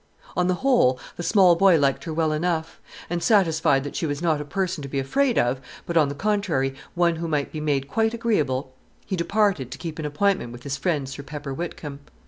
On the whole, the small boy liked her well enough; and, satisfied that she was not a person to be afraid of, but, on the contrary, one who might be made quite agreeable, he departed to keep an appointment with his friend Sir Pepper Whitcomb.